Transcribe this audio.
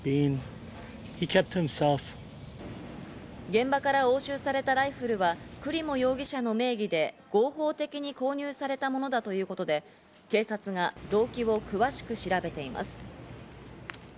現場から押収されたライフルはクリモ容疑者の名義で合法的に購入されたものだということで警察が動機を詳しく調べています。